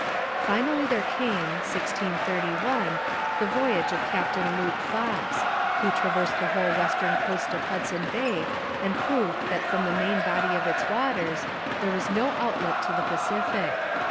Finally there came (1631) the voyage of Captain Luke Fox, who traversed the whole western coast of Hudson Bay and proved that from the main body of its waters there was no outlet to the Pacific.